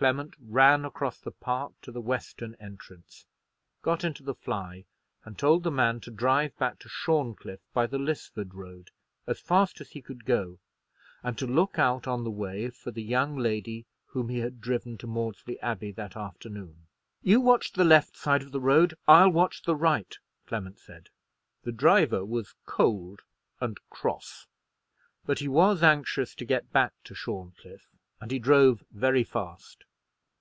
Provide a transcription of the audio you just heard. Clement ran across the park to the western entrance, got into the fly, and told the man to drive back to Shorncliffe, by the Lisford Road, as fast as he could go, and to look out on the way for the young lady whom he had driven to Maudesley Abbey that afternoon. "You watch the left side of the road, I'll watch the right," Clement said. The driver was cold and cross, but he was anxious to get back to Shorncliffe, and he drove very fast.